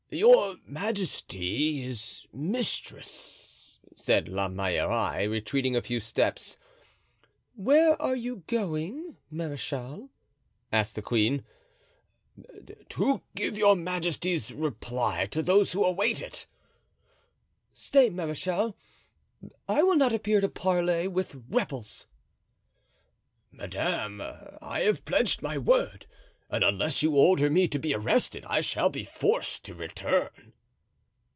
"Your majesty is mistress," said La Meilleraie, retreating a few steps. "Where are you going, marechal?" asked the queen. "To give your majesty's reply to those who await it." "Stay, marechal; I will not appear to parley with rebels." "Madame, I have pledged my word, and unless you order me to be arrested I shall be forced to return."